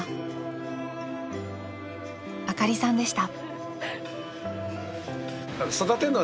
［あかりさんでした］